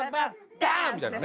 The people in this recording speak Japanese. ダン！みたいなね。